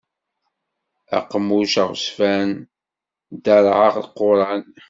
Aqemmuc aɣezfan ddarɛ aquran.